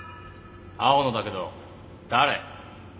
青野だけど誰？